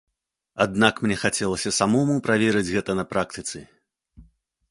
Аднак мне хацелася самому праверыць гэта на практыцы.